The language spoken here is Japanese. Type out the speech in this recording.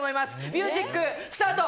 ミュージックスタート。